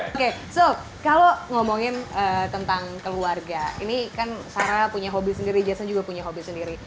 oke sop kalau ngomongin tentang keluarga ini kan sarah punya hobi sendiri jason juga punya hobi sendiri